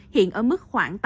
hiện ở mức khoảng tám chín